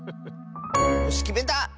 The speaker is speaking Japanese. よしきめた！